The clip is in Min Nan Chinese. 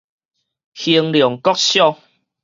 興隆國小